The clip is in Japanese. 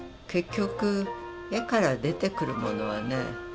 結局絵から出てくるものはね